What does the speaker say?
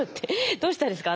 どうしたんですか？